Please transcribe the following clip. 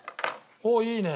おおいいね！